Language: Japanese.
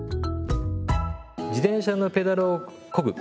自転車のペダルをこぐ。